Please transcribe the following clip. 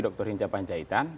dr hinca panjaitan